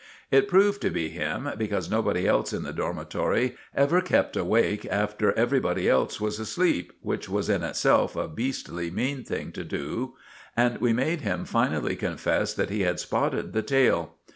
It proved to be him, because nobody else in the dormitory ever kept awake after everybody else was asleep, which was in itself a beastly mean thing to do; and we made him finally confess that he had spotted the tail.